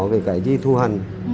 về cái gì thu hành